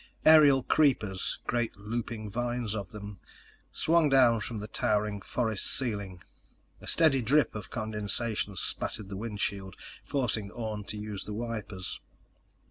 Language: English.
Aerial creepers—great looping vines of them—swung down from the towering forest ceiling. A steady drip of condensation spattered the windshield, forcing Orne to use the wipers.